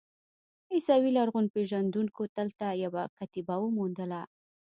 عیسوي لرغونپېژندونکو دلته یوه کتیبه وموندله.